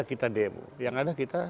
kita demo yang ada kita